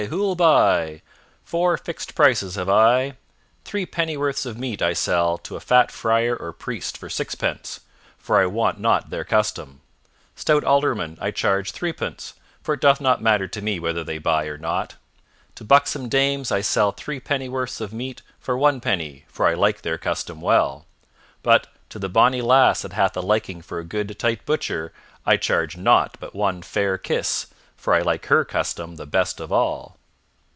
Who'll buy? Four fixed prices have I. Three pennyworths of meat I sell to a fat friar or priest for sixpence, for I want not their custom; stout aldermen I charge threepence, for it doth not matter to me whether they buy or not; to buxom dames I sell three pennyworths of meat for one penny for I like their custom well; but to the bonny lass that hath a liking for a good tight butcher I charge nought but one fair kiss, for I like her custom the best of all."